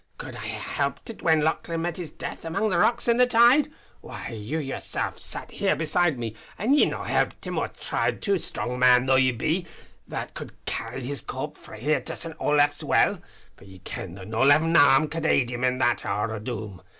Could I hae helpit it when Lauchlane met his death amang the rocks in the tide. Why you yoursel' sat here beside me, an' ye no helpit him or tried to, strong man though ye be, that could carry his corp frae here to St. Olaf's Well; for ye kenned that no livin' arm could aid him in that hour o' doom.